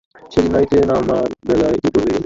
সেদিন নাইতে আমার বেলা দুটো হয়ে গেল।